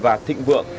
và thịnh vượng